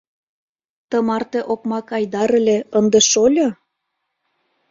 Тымарте окмак Айдар ыле, ынде шольо?